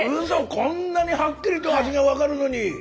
こんなにはっきりと味が分かるのに！